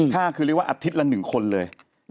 ถ้าคือเรียกว่าอาทิตย์ละ๑คนเลย